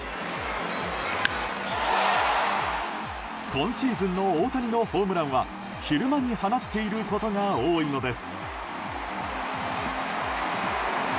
今シーズンの大谷のホームランは昼間に放っていることが多いのです。